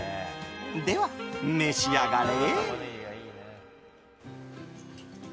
では召し上がれ。